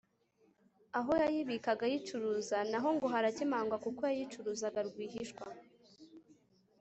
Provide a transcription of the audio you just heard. Aho yayibikaga ayicuruza na ho ngo harakemangwa kuko yayicuruzaga rwihishwa